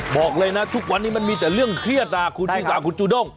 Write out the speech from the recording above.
บอกเลยนะทุกวันนี้มันมีแต่เรื่องเครียดนะคุณชิสาคุณจูด้ง